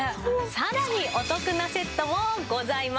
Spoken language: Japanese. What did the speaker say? さらにお得なセットもございます。